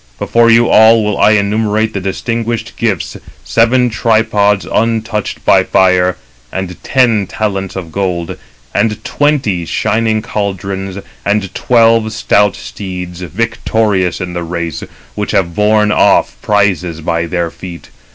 Before you all will I enumerate the distinguished gifts: seven tripods untouched by fire, 295 and ten talents of gold, and twenty shining caldrons, and twelve stout steeds, victorious in the race, which have borne off prizes by their feet.